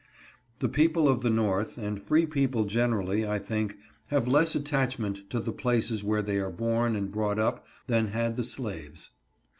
The people of the North, and free people generally, I think, have less attachment to the places where they are born and brought up than had the slaves.